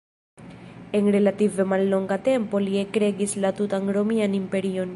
En relative mallonga tempo li ekregis la tutan Romian Imperion.